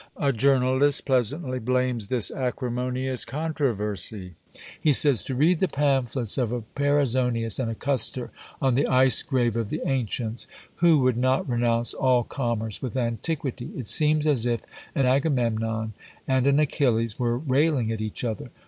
A journalist pleasantly blames this acrimonious controversy. He says, "To read the pamphlets of a Perizonius and a Kuster on the Æs grave of the ancients, who would not renounce all commerce with antiquity? It seems as if an Agamemnon and an Achilles were railing at each other.